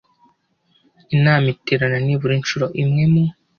Inama iterana nibura incuro imwe mu